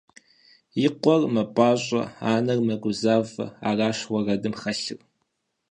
И къуэр мэпӀащӀэ, анэр мэгузавэ – аращ уэрэдым хэлъыр.